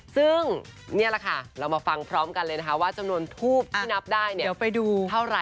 ซึ่งเนี่ยแหละค่ะเรามาฟังพร้อมกันเลยนะคะว่าจำนวนทูปที่นับได้เนี่ย